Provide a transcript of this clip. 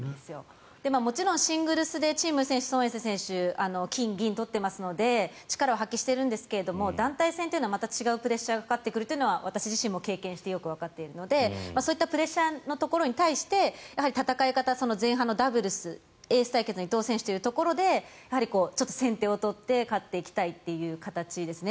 もちろんシングルスでチン・ム選手ソン・エイサ選手は金銀を取っていますので力を発揮しているんですが団体戦というのはまた違うプレッシャーがかかってくるというのは私自身も経験してよくわかっているのでそういったプレッシャーのところに対して戦い方、前半のダブルスエース対決の伊藤選手というところでちょっと先手を取って勝っていきたいという形ですね。